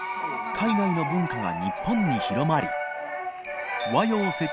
海外の文化が日本に広まり稘郝